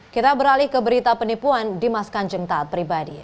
kita beralih ke berita penipuan dimas kanjeng taat pribadi